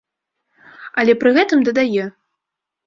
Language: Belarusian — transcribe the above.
Але пры гэтым дадае.